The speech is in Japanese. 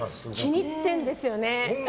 気に入っているんですよね。